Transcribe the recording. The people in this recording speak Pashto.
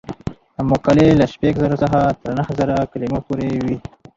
مقالې له شپږ زره څخه تر نهه زره کلمو پورې وي.